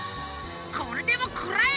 これでもくらえ！